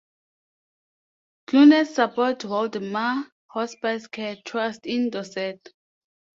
Clunes supports Weldmar Hospicecare Trust in Dorset.